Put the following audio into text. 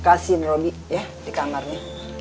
kasihin robi ya di kamarnya